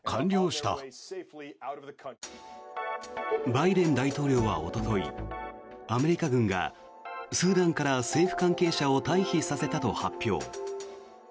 バイデン大統領はおとといアメリカ軍がスーダンから政府関係者を退避させたと発表。